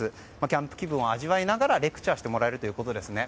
キャンプ気分を味わえながらレクチャーしてもらえるということですね。